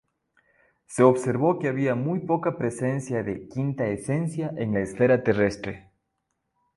Se observó que había muy poca presencia de quintaesencia en la esfera terrestre.